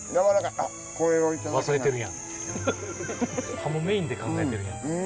ハモメインで考えてるやん。